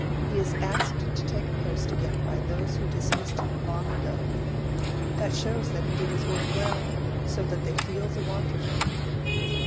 "He is asked to take a post again by those who dismissed him long ago. That shows that he did his work well, so that they feel the want of him."